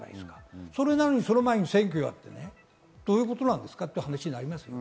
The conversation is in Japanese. それなのに選挙をやってどういうことなんですかという話になります。